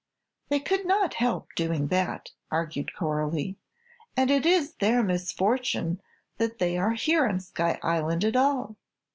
"They could not help doing that," argued Coralie, "and it is their misfortune that they are here on Sky Island at all.